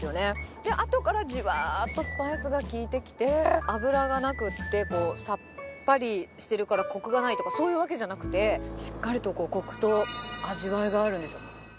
で、あとからじわーっとスパイスが効いてきて、油がなくって、さっぱりしてるから、こくがないとか、そういうわけじゃなくて、しっかりとこくと味わいがあるんですよ。